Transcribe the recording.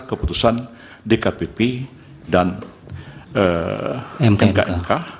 keputusan dkpp dan mknk